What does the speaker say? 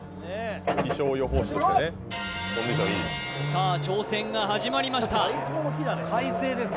さあ挑戦が始まりました